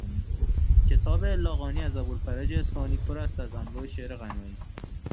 کتاب الاغانی از ابوالفرج اصفهانی پر است از انواع شعر غنایی